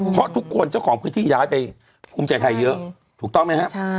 เพราะทุกคนเจ้าของพื้นที่ย้ายไปภูมิใจไทยเยอะถูกต้องไหมครับ